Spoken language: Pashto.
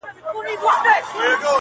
ستا خړي سترگي او ښايسته مخ دي_